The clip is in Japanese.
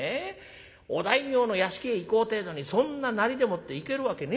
お大名の屋敷へ行こうってえのにそんななりでもって行けるわけねえじゃねえか。